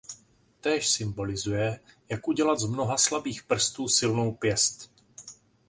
Též symbolizuje „jak udělat z mnoha slabých prstů silnou pěst“.